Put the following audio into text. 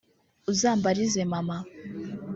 Uzambarize mama